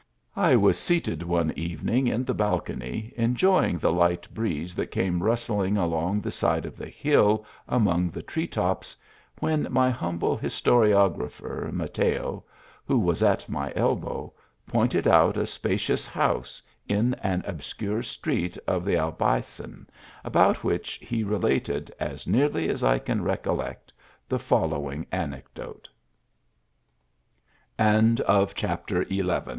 I was seated one evening in the balcony enjoy ing the light breeze that came rustling along the side of the hill among the tree tops, when my hum ble historiographer, Mateo, who was at my elbow, pointed out a spacious house in an obscure street of the Albaycin, about which he related, as nearly as I can recollect, the following anecdo